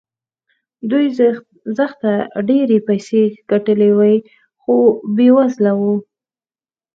دوی زښته ډېرې پيسې ګټلې وې خو بې وزله وو.